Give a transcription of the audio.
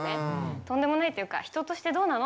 とんでもないっていうか人としてどうなの？